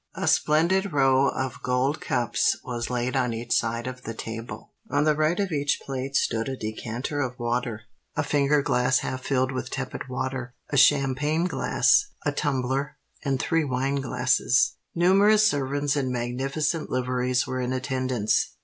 A splendid row of gold cups was laid on each side of the table. On the right of each plate stood a decanter of water, a finger glass half filled with tepid water, a champagne glass, a tumbler, and three wine glasses. Numerous servants in magnificent liveries were in attendance.